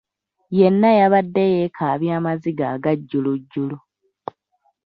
Yenna yabadde yeekaabya amaziga agajjulujjulu.